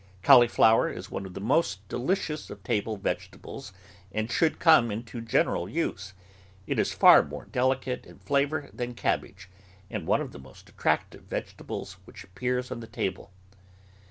Cauliflower is one of the most delicious of table vegetables and should come into general use; it is far more delicate in flavour than cabbage, and one of the most attract ive vegetables which appears on the table.